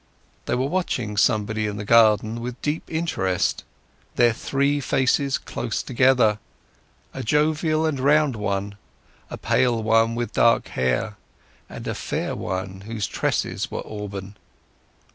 All were watching somebody in the garden with deep interest, their three faces close together: a jovial and round one, a pale one with dark hair, and a fair one whose tresses were auburn.